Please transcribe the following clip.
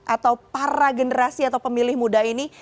atau para generasi atau pemilih muda ini